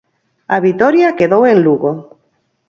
A vitoria quedou en Lugo.